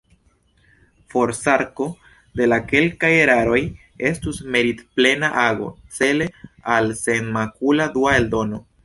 Forsarko de la kelkaj eraroj estus meritplena ago, cele al senmakula dua eldono.